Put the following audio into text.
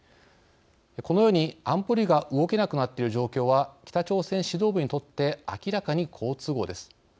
このように安保理が動けなくなっている状況は北朝鮮指導部にとって明らかに好都合です。